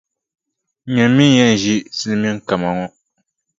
Nyini mi n-yɛn ʒi silimiinʼ kama ŋɔ.